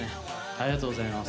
ありがとうございます。